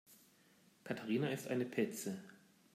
Katharina ist eine Petze.